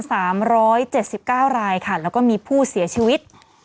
สามร้อยเจ็ดสิบเก้ารายค่ะแล้วก็มีผู้เสียชีวิต